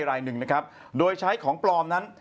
รายหนึ่งนะครับโดยใช้ของปลอมนั้น